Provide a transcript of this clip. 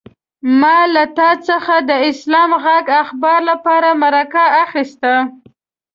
ما له تا څخه د اسلام غږ اخبار لپاره مرکه اخيسته.